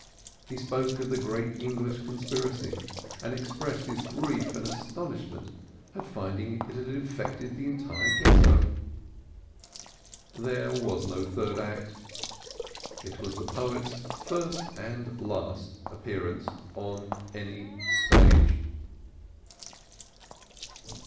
He spoke of the great English conspiracy and expressed his grief and astonishment at finding it had infected the entire Ghetto. There was no third act. It was the poet's first and last appearance on any stage.